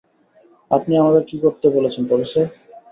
আপনি আমাদের কী করতে বলছেন, প্রফেসর?